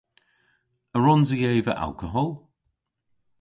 A wrons i eva alkohol?